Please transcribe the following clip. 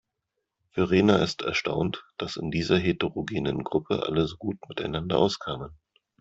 Verena ist erstaunt, dass in dieser heterogenen Gruppe alle so gut miteinander auskamen.